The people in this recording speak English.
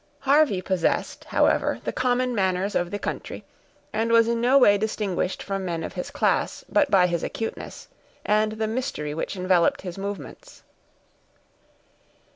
Harvey possessed, however, the common manners of the country, and was in no way distinguished from men of his class, but by his acuteness, and the mystery which enveloped his movements.